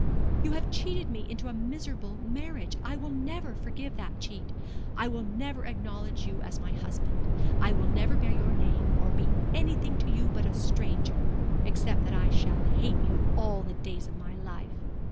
'You have cheated me into a miserable marriage. I will never forgive that cheat. I will never acknowledge you as my husband. I will never bear your name, or be anything to you but a stranger, except that I shall hate you all the days of my life.